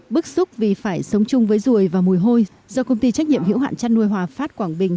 bức xúc vì phải sống chung với ruồi và mùi hôi do công ty trách nhiệm hiểu hạn chăn nuôi hòa phát quảng bình